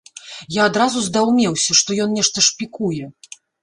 Я адразу здаўмеўся, што ён нешта шпікуе.